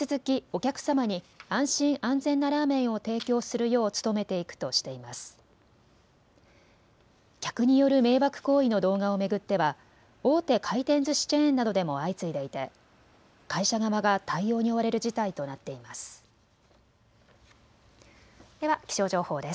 客による迷惑行為の動画を巡っては大手回転ずしチェーンなどでも相次いでいて会社側が対応に追われる事態となっています。